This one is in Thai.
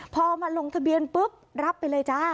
พอมาลงทะเบียนปุ๊บรับไปเลยจ้า